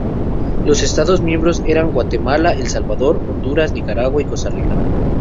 Los Estados miembros eran: Guatemala, El Salvador, Honduras, Nicaragua y Costa Rica.